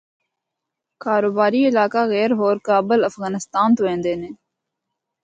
کاروباری علاقہ غیر ہور کابل افغانستان تو اِیندے ہن۔